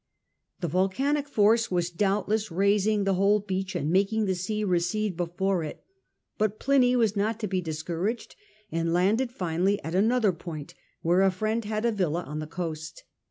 The volcanic force was doubtless raising the whole beach and making the sea recede before it. But Pliny was not to be dis couraged, and landed finally at another point, where a friend had a villa, on the coast.